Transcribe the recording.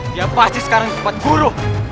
dia pasti sekarang di tempat guru